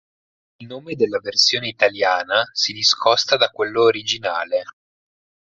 Il nome della versione italiana si discosta da quello originale.